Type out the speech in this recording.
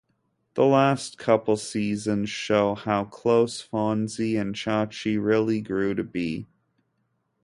The last couple seasons show how close Fonzie and Chachi really grew to be.